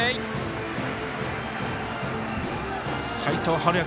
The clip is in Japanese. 齋藤敏哉